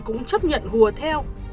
cũng chấp nhận hùa theo